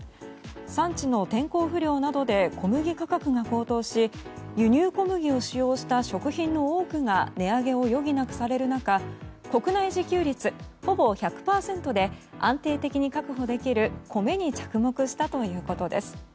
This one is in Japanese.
産地の天候不良などで小麦価格が高騰し輸入小麦を使用した食品の多くが値上げを余儀なくされる中国内自給率ほぼ１００％で安定的に確保できる米に着目したということです。